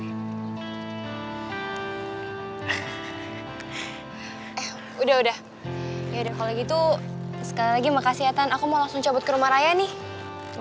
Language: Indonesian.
eh udah udah yaudah kalau gitu sekali lagi makasih ya tan aku mau langsung cabut ke rumah raya nih